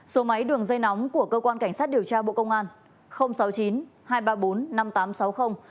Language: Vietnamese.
số máy đường dây nóng của cơ quan cảnh sát điều tra bộ công an